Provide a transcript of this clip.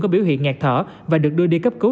có biểu hiện ngạt thở và được đưa đi cấp cứu